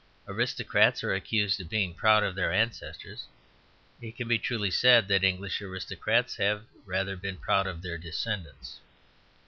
Aristocrats are accused of being proud of their ancestors; it can truly be said that English aristocrats have rather been proud of their descendants.